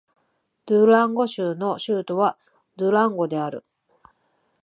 ドゥランゴ州の州都はドゥランゴである